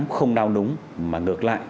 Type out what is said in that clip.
không nào núng mà ngược lại